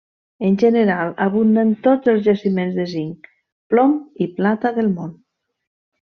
En general, abunda en tots els jaciments de zinc, plom i plata del món.